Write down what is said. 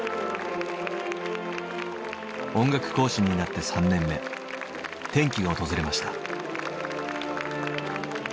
音楽講師になって３年目転機が訪れました。